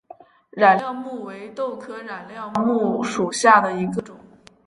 染料木为豆科染料木属下的一个种。